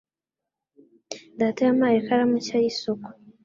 Data yampaye ikaramu nshya y'isoko.